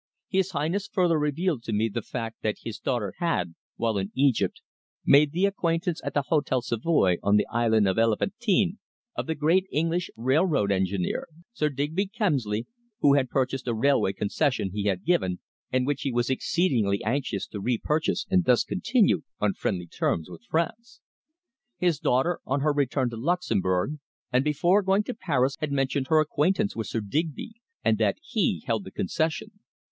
"His Highness further revealed to me the fact that his daughter had, while in Egypt, made the acquaintance at the Hotel Savoy on the Island of Elephantine, of the great English railroad engineer, Sir Digby Kemsley, who had purchased a railway concession he had given, and which he was exceedingly anxious to re purchase and thus continue on friendly terms with France. His daughter, on her return to Luxemburg, and before going to Paris, had mentioned her acquaintance with Sir Digby, and that he held the concession.